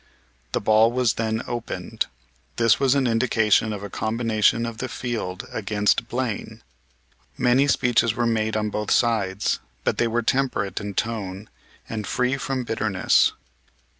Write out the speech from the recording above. The ball was then opened. This was an indication of a combination of the field against Blaine. Many speeches were made on both sides, but they were temperate in tone, and free from bitterness.